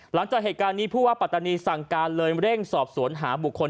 หลังจากเหตุการณ์นี้ผู้ว่าปัตตานีสั่งการเลยเร่งสอบสวนหาบุคคล